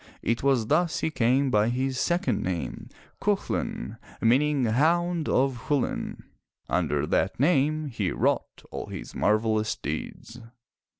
It was thus he came by his second name, Cu chu'lain, meaning Hound of Chulain. Under that name he wrought all his marvel lous deeds.